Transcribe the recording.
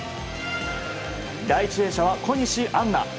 第１泳者は小西杏奈。